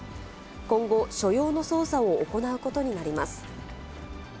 今後、所要の捜査を行うことになります。